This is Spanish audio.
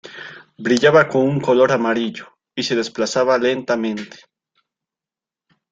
Brillaba con un color amarillo y se desplazaba lentamente.